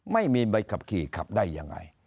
ไม่มีใบขับขี่ขับได้ยังไง